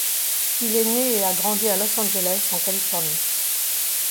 Il est né et a grandi à Los Angeles, en Californie.